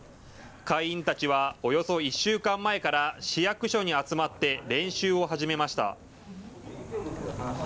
会員たちはおよそ１週間前から市役所に集まって練習を始めました。